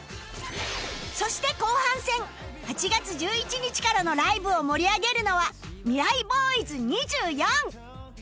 そして後半戦８月１１日からのライブを盛り上げるのはミライ Ｂｏｙｓ２４